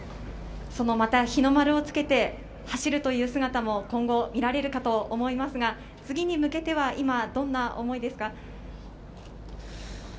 また日の丸をつけて走るという姿も今後見られるかと思いますが、次に向けて今どんな思いですか？